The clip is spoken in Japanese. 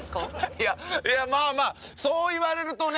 いやまあまあそう言われるとね。